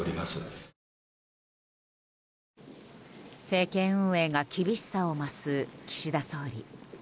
政権運営が厳しさを増す岸田総理。